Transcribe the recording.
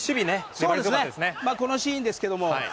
このシーンですけども。